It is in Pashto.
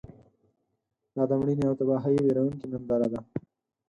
دا د مړینې او تباهۍ ویرونکې ننداره ده.